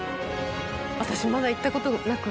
私まだ行ったことなくて。